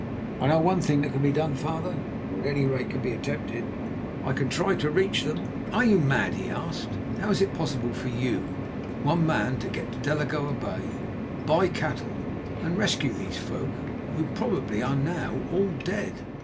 "I know one thing that can be done, father, or at any rate can be attempted. I can try to reach them." "Are you mad?" he asked. "How is it possible for you, one man, to get to Delagoa Bay, buy cattle, and rescue these folk, who probably are now all dead?"